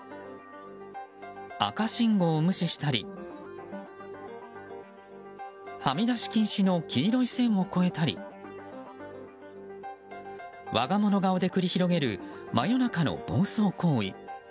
赤信号を無視したりはみ出し禁止の黄色い線を越えたり我が物顔で繰り広げる真夜中の暴走行為。